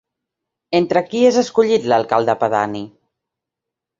Entre qui és escollit l'alcalde pedani?